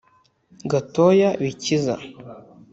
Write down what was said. gatoya bikiza